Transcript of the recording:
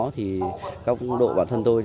thì các công độ bản thân tôi